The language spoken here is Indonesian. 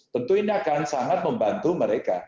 tentu ini akan sangat membantu mereka